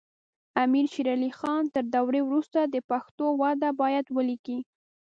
امیر شیر علی خان تر دورې وروسته د پښتو وده باید ولیکي.